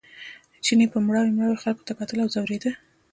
چیني به مړاوي مړاوي خلکو ته کتل او ځورېده.